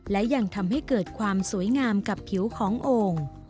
และยังทำให้เกิดความสวยงามกับผิวของโอ่ง